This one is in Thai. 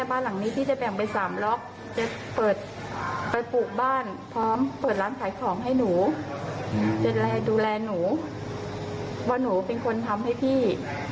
ไปปลูกบ้านพร้อมเปิดร้านขายของให้หนูดูแลหนูว่าหนูเป็นคนทำให้พี่